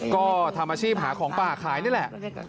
ก็ทำอาชีพหาของป่าขายนี่แหละ